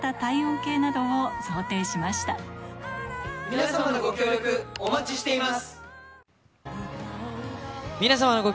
皆様のご協力、お待ちしています。